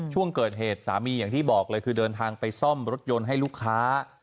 ช่วงเกิดเหตุสามีอย่างที่บอกเลยคือเดินทางไปซ่อมรถยนต์ให้ลูกค้า